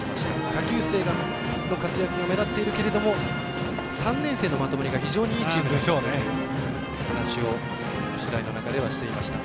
下級生の活躍が目立っていますけれども３年生のまとまりが非常にいいチームだという話を取材の中ではしていました。